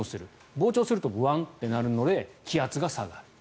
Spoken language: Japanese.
膨張するとボワンとなるので気圧が下がる。